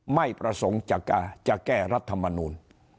ไม่ประสงค์จะแก้รัฐมนูล